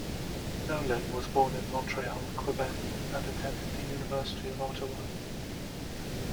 Nolin was born in Montreal, Quebec, and attended the University of Ottawa.